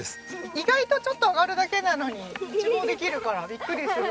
意外とちょっと上がるだけなのに一望できるからビックリするというか。